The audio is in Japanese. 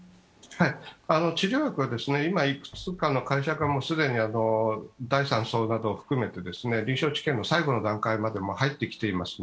治療薬は今、いくつかの会社から第３相など含めて臨床試験の最後の段階に入ってきています。